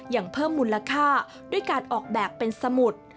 ยังเพิ่มมูลค่าด้วยการออกแบบเป็นสมุด